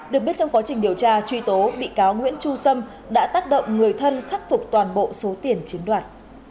được biết trong quá trình điều tra truy tố bị cáo nguyễn chu sâm đã tác động người thân khắc phục toàn bộ số tiền chiếm đoạt